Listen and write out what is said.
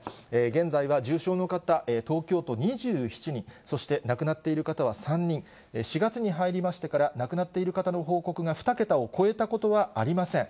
現在は重症の方、東京都２７人、そして亡くなっている方は３人、４月に入りましてから、亡くなっている方の報告が２桁を超えたことはありません。